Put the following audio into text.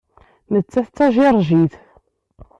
Nettat d Tajiṛjit.